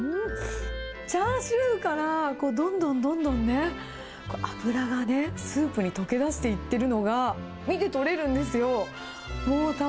チャーシューから、どんどんどんどんね、脂がスープに溶け出していってるのが見て取れるんですよ。